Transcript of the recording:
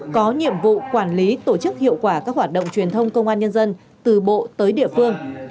có nhiệm vụ quản lý tổ chức hiệu quả các hoạt động truyền thông công an nhân dân từ bộ tới địa phương